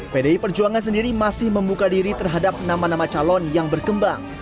pdi perjuangan sendiri masih membuka diri terhadap nama nama calon yang berkembang